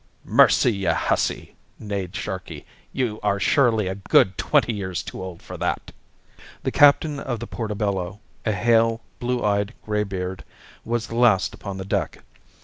"Mercy, you hussy!" neighed Sharkey, "you are surely a good twenty years too old for that." The captain of the Portobello, a hale, blue eyed grey beard, was the last upon the deck.